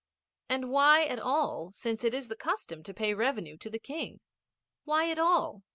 'And why at all, since it is the custom to pay revenue to the King? Why at all?'